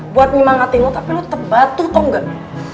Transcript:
buat nyemangatin lo tapi lu tetep batu tau gak